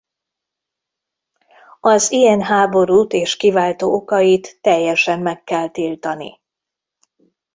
Az ilyen háborút és kiváltó okait teljesen meg kell tiltani.